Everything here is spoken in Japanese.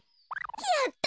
やった！